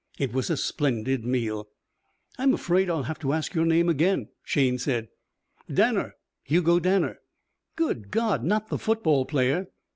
It was a splendid meal. "I'm afraid I'll have to ask your name again," Shayne said. "Danner. Hugo Danner." "Good God! Not the football player?"